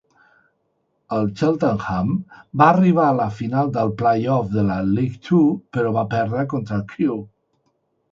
El Cheltenham va arribar a la final del play-off de la League Two, però va perdre contra el Crewe.